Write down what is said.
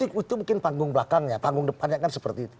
itu mungkin panggung belakangnya panggung depannya kan seperti itu